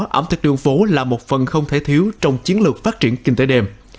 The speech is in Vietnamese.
danh sách đường phố là một phần không thể thiếu trong chiến lược phát triển kinh tế đêm